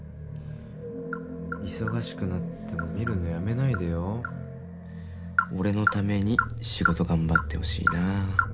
忙しくなっても見るのやめないでよ「俺のために仕事頑張ってほしいな」